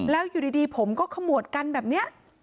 แล้วอยู่ดีผมก็ขมวดกันแบบนี้